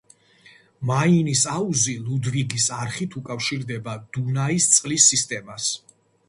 მაინის აუზი ლუდვიგის არხით უკავშირდება დუნაის წყლის სისტემას.